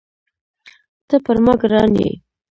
ته پر ما ګران یې